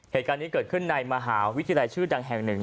เหตุการณ์นี้เกิดขึ้นในมหาวิทยาลัยชื่อดังแห่งหนึ่ง